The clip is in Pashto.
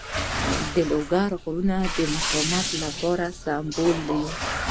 د لوګر غرونه د مقاومت سمبول دي.